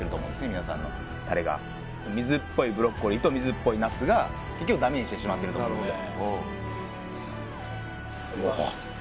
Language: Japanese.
皆さんのタレが水っぽいブロッコリーと水っぽいナスが結局ダメにしてしまってると思うんですよ